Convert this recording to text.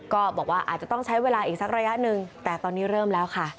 ก็บอกว่าอาจจะต้องใช้เวลาอีกสักระยะหนึ่งแต่ตอนนี้เริ่มแล้วค่ะ